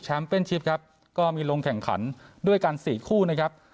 เป็นชิปครับก็มีลงแข่งขันด้วยกันสี่คู่นะครับ